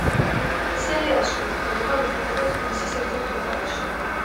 სერიალში მოქმედება ვითარდება თბილისის ერთ-ერთ უბანში.